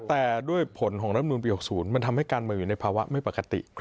แต่ด้วยผลของรัฐมนุนปี๖๐มันทำให้การเมืองอยู่ในภาวะไม่ปกติ